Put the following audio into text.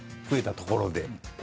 ところで。